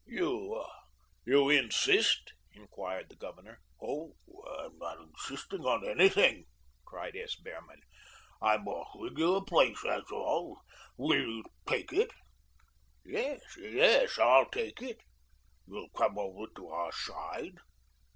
"You you INSIST?" inquired the Governor. "Oh, I'm not insisting on anything," cried S. Behrman. "I'm offering you a place, that's all. Will you take it?" "Yes, yes, I'll take it." "You'll come over to our side?"